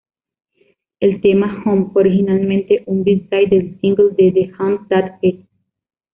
El tema "Home" fue originalmente un B-side del single de "The Hand That Feeds".